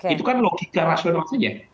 itu kan logika rasional saja